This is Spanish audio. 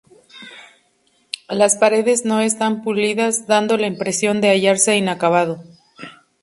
Las paredes no están pulidas, dando la impresión de hallarse inacabado.